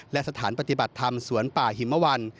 และสถานปฏิบัติธรรมสวนป่าหิมวัน